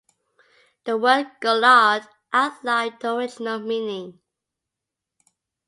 The word "goliard" outlived the original meaning.